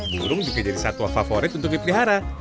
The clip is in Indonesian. burung juga jadi satwa favorit untuk dipelihara